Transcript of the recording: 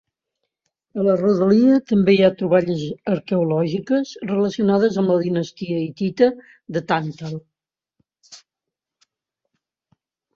A la rodalia també hi ha troballes arqueològiques relacionades amb la dinastia hitita de Tàntal.